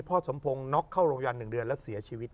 สมพงศ์น็อกเข้าโรงพยาบาล๑เดือนแล้วเสียชีวิต